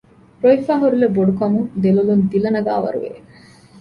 ރޮވިފައި ހުރިލެތް ބޮޑު ކަމުން ދެ ލޮލުން ދިލަ ނަގާވަރު ވެ